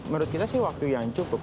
menurut kita sih waktu yang cukup